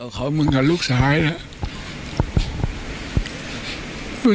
รักข้าวหมูกับลูกสายนะ